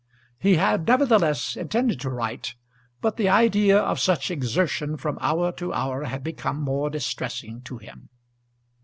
He had, nevertheless, intended to write; but the idea of such exertion from hour to hour had become more distressing to him.